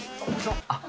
あっ。